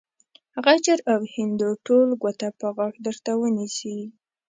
غجر او هندو ټول ګوته په غاښ درته ونيسي.